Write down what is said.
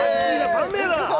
３名だ！